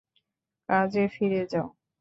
কাজে ফিরে যাও।